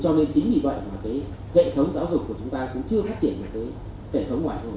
cho nên chính vì vậy mà cái hệ thống giáo dục của chúng ta cũng chưa phát triển được cái hệ thống ngoại giao